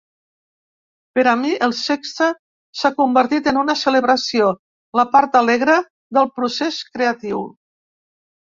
Per a mi, el sexe s'ha convertit en una celebració, la part alegre del procés creatiu.